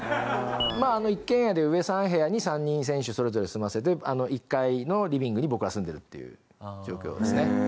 まあ一軒家で上３部屋に３人選手それぞれ住ませて１階のリビングに僕が住んでるっていう状況ですね。